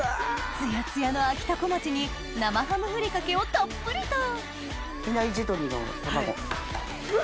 ツヤツヤのあきたこまちに生ハムふりかけをたっぷりと比内地鶏の卵。